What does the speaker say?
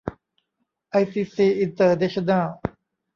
ไอ ซี ซี อินเตอร์เนชั่นแนล